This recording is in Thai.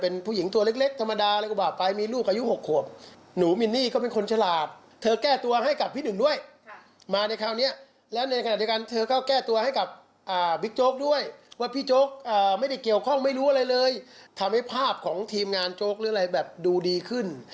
น้ำหนักเขาดีก็ดีขึ้น